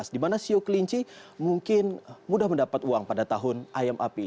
di mana siu kelinci mungkin mudah mendapat uang pada tahun ayam api